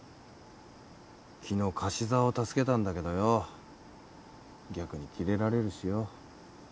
昨日樫沢を助けたんだけどよう逆にキレられるしよ。